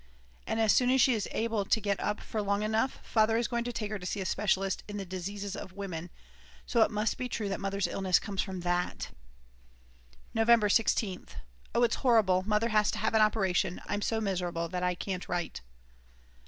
As soon as she is able to get up for long enough Father is going to take her to see a specialist in the diseases of women; so it must be true that Mother's illness comes from that. November 16th. Oh it's horrible, Mother has to have an operation; I'm so miserable that I can't write.